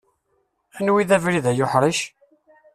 Anwa i d abrid ay uḥric?